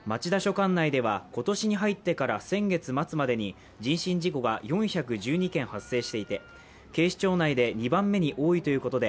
管内では今年に入ってから先月末までに、人身事故が４１２件発生していて、警視庁内で２番目に多いということで、